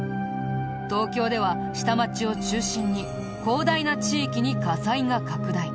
東京では下町を中心に広大な地域に火災が拡大。